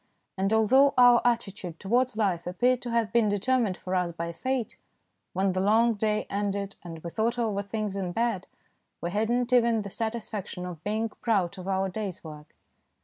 And although our attitude towards life appeared to have been determined for us by Fate, when the long day ended and we thought over things in bed, we had not even the satisfaction of being proud of our day's work.